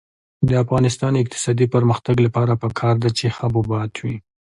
د افغانستان د اقتصادي پرمختګ لپاره پکار ده چې حبوبات وي.